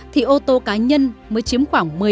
thì ô tô cá nhân mới chiếm khoảng một mươi bốn ba